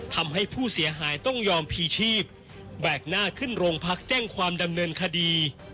ทำให้ผู้เสียหายต้องยอมพีชีพแบกหน้าขึ้นโรงพักแจ้งความดำเนินคดี